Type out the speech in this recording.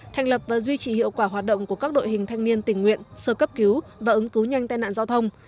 thành lập và duy trì hiệu quả hoạt động của các đội hình thanh niên tình nguyện sơ cấp cứu và ứng cứu nhanh tai nạn giao thông